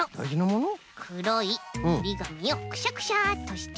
くろいおりがみをクシャクシャっとして。